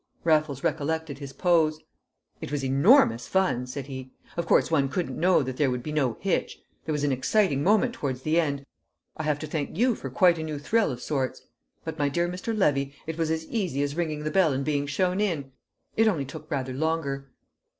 Raffles recollected his pose. "It was enormous fun," said he. "Of course one couldn't know that there would be no hitch. There was an exciting moment towards the end. I have to thank you for quite a new thrill of sorts. But, my dear Mr. Levy, it was as easy as ringing the bell and being shown in; it only took rather longer."